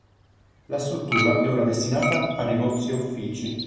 La struttura è ora destinata a negozi e uffici.